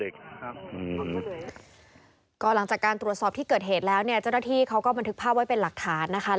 ก็หลังจากการตรวจสอบที่เกิดเหตุแล้วเนี่ยเจ้าหน้าที่เขาก็บันทึกภาพไว้เป็นหลักฐานนะคะ